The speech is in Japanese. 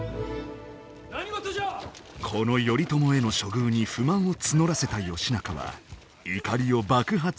この頼朝への処遇に不満を募らせた義仲は怒りを爆発させる。